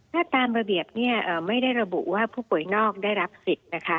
ถ้าตามระเบียบไม่ได้ระบุว่าผู้ป่วยนอกได้รับสิทธิ์นะคะ